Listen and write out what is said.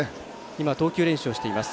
今、投球練習をしています。